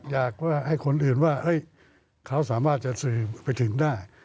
อยากให้คนอื่นว่าเขาสามารถจะสื่อไปถึงได้